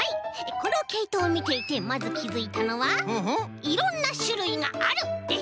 このけいとをみていてまずきづいたのは「いろんなしゅるいがある」です！